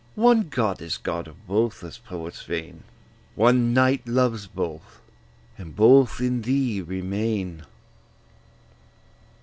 One god is god of both, as poets feign; One knight loves both, and both in thee remain.